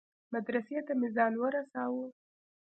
مدرسې ته مې ځان ورساوه.